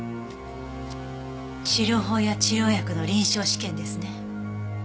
治療法や治療薬の臨床試験ですね。